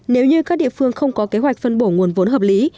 nếu như các địa phương không có kế hoạch phân bổ nguồn vốn hợp lý